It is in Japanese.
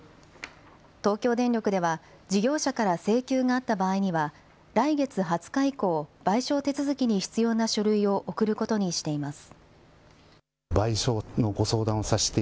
東京電力では、事業者から請求があった場合には、来月２０日以降、賠償手続きに必要な書類を送ることにしています。